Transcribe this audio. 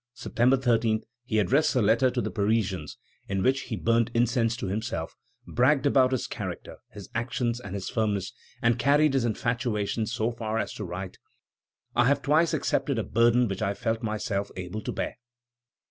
September 13, he addressed a letter to the Parisians in which he burnt incense to himself, bragged about his character, his actions, and his firmness, and carried his infatuation so far as to write: "I have twice accepted a burden which I felt myself able to bear."